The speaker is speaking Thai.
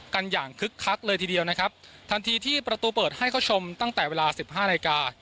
กันอย่างคึกคักเลยทีเดียวนะครับทันทีที่ประตูเปิดให้เข้าชมตั้งแต่เวลาสิบห้านาฬิกา